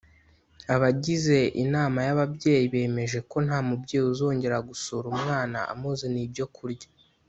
abagize inama yababyeyi bemeje ko nta mubyeyi uzongera gusura umwana amuzaniye ibyo kurya